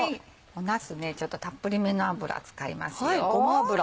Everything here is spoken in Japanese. なすたっぷりめの油使いますよ。